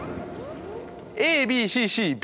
ＡＢＣＣＢ。